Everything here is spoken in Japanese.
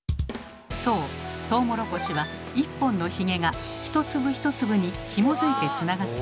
そうトウモロコシは１本のヒゲが一粒一粒にひもづいてつながっています。